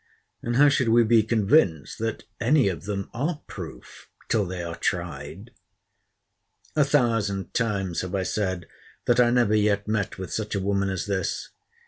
And how should we be convinced that any of them are proof till they are tried? A thousand times have I said, that I never yet met with such a woman as this.